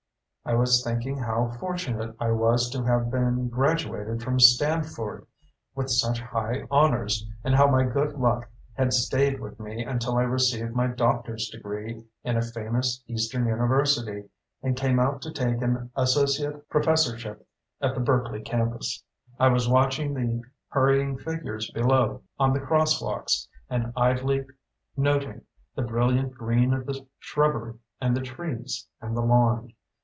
I was thinking how fortunate I was to have been graduated from Stanford with such high honors, and how my good luck had stayed with me until I received my doctor's degree in a famous Eastern university and came out to take an associate professorship at the Berkeley campus. I was watching the hurrying figures below on the crosswalks and idly noting the brilliant green of the shrubbery and the trees and the lawn.